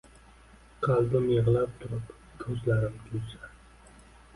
Qalbim yiglab turib kuzlarim kulsa